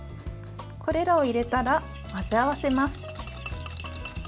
これらを入れたら混ぜ合わせます。